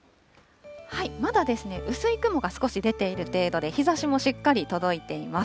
まだですね、薄い雲が少し出ている程度で、日ざしもしっかり届いています。